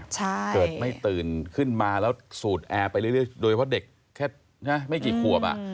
เกิดไม่ตื่นขึ้นมาแล้วสูดแอร์ไปเรื่อยโดยเพราะเด็กแค่ไม่กี่ขวบ